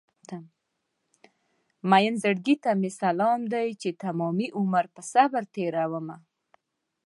مين زړګي ته مې سلام دی چې تمامي عمر په صبر تېرومه